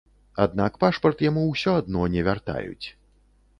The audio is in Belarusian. Аднак пашпарт яму ўсё адно не вяртаюць.